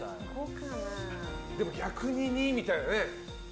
でも逆に２みたいなね。